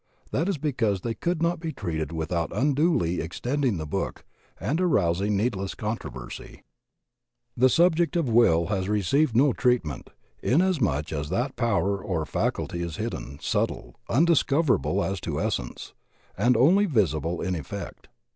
That is because they could not be treated without unduly extending the book and arousing needless con troversy. The subject of the Will has received no treatment, inasmuch as that power or faculty is hidden, subtle, undiscoverable as to essence, and only visible in effect.